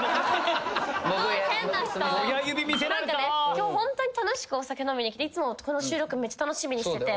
今日ホントに楽しくお酒飲みに来ていつもこの収録めっちゃ楽しみにしてて。